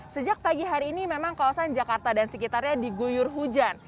sejak pagi hari ini memang kawasan jakarta dan sekitarnya diguyur hujan